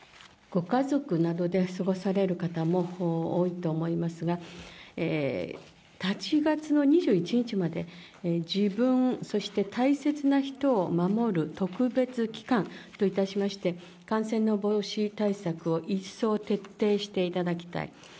ご家族などで過ごされる方も多いと思いますが、８月の２１日まで、自分、そして大切な人を守る特別期間といたしまして、感染の防止対策を一層徹底していただきたい。